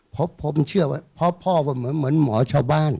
เพราะผมเชื่อว่าพ่อเหมือนหมอชาวบ้าน